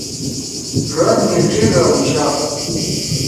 ڙاد می ڇیگا اُوشا۔